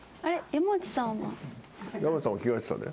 山内さんも着替えてたで。